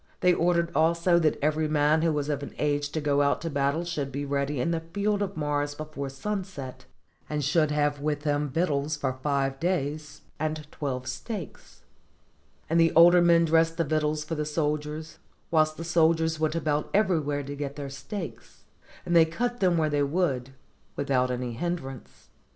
They ordered also that every man who was of an age to go out to battle should be ready in the Field of Mars before 309 ROME sunset, and should have with him victuals for iSve days, and twelve stakes; and the older men dressed the vict uals for the soldiers, whilst the soldiers went about everywhere to get their stakes; and they cut them where they would, without any hinderance.